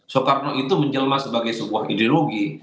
soekarno itu menjelma sebagai sebuah ideologi